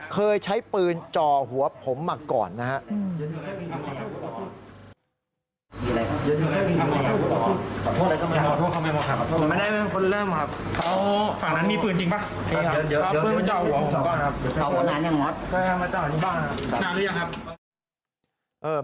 เคยใช้ปืนจ่อหัวผมมาก่อนนะครับ